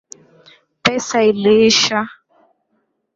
Pesa iliisha